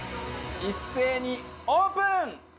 一斉にオープン！